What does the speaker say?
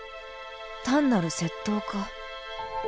単なる窃盗か？